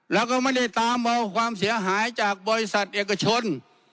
แล้วก็ไม่ได้ตามเอาความเสียหายจากบริษัทเอกชน